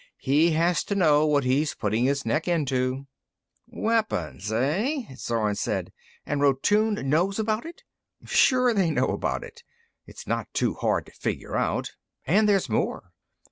"He has to know what he's putting his neck into." "Weapons, hey?" Zorn said. "And Rotune knows about it?" "Sure they know about it. It's not too hard to figure out. And there's more.